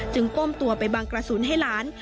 ก้มตัวไปบังกระสุนให้หลาน